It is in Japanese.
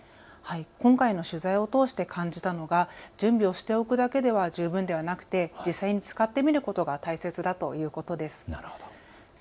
今回の取材を通して感じたのが準備をしておくだけでは十分ではなくて実際に使ってみることが大切だということです。